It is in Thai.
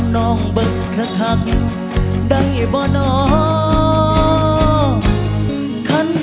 ดือดังดือ